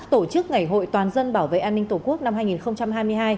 tổ chức ngày hội toàn dân bảo vệ an ninh tổ quốc năm hai nghìn hai mươi hai